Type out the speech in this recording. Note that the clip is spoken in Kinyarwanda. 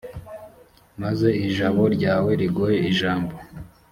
maze ijabo ryawe riguhe ijambo